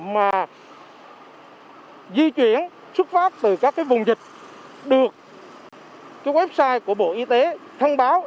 mà di chuyển xuất phát từ các vùng dịch được website của bộ y tế thông báo